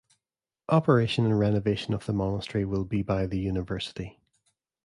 Operation and renovation of the monastery will be by the University.